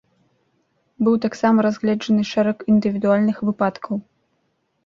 Быў таксама разгледжаны шэраг індывідуальных выпадкаў.